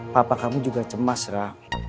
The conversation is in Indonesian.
papa kamu juga cemas ra